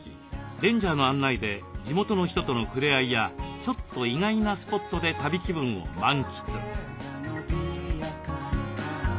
レンジャーの案内で地元の人との触れ合いやちょっと意外なスポットで旅気分を満喫。